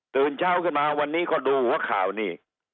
ตื่นเช้าขึ้นมาวันนี้ก็ดูหัวข่าวนี่